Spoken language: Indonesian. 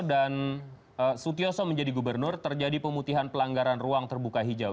dan sutioso menjadi gubernur terjadi pemutihan pelanggaran ruang terbuka hijau